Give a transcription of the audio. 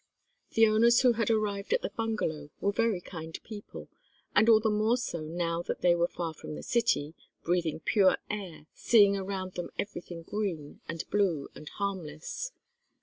The owners who had arrived at the bungalow were very kind people, and all the more so now that they were far from the city, breathing pure air, seeing around them everything green, and blue and harmless.